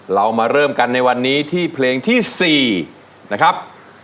เรามาเริ่มกันในวันนี้ที่เพลงที่๔นะครับ